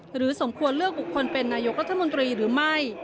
สมควรเลือกบุคคลเป็นนายกรัฐมนตรีหรือไม่